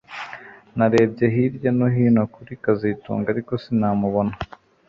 Narebye hirya no hino kuri kazitunga ariko sinamubona